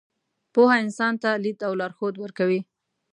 پوهه انسان ته لید او لارښود ورکوي.